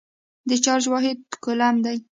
د چارج واحد کولم دی.